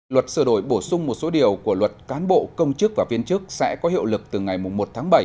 luật sửa đổi bổ sung một số điều của luật cán bộ công chức và viên chức sẽ có hiệu lực từ ngày một tháng bảy